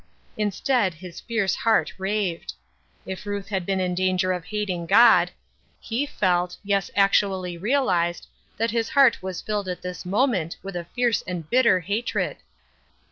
Instead, his fierce heart raved, ii UuU» bad been in danger of hating God, he feltj, " The Oil of Joy,'' 427 yes, actually realized, that his heart was filled at this moment with a fierce and bitter hatred.